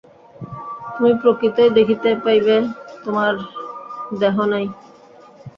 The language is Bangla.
তুমি প্রকৃতই দেখিতে পাইবে, তোমার দেহ নাই।